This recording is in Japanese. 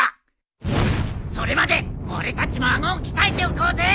それまで俺たちも顎を鍛えておこうぜ！